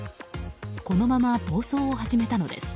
このまま暴走を始めたのです。